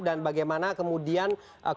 dan bagaimana kemudian komitmen bersatu